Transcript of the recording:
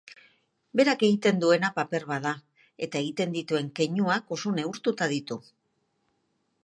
Berak egiten duena paper bat da eta egiten dituen keinuak oso neurtuta ditu.